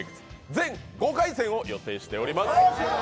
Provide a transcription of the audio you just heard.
全５回戦を予定しております。